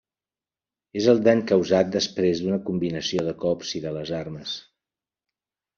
És el dany causat després d'una combinació de cops i de les armes.